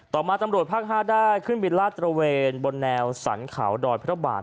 ต่อมาจำรวจภาคฮาได้ขึ้นวิราชตระเวนบนแนวสรรขาวดอยพิธบาท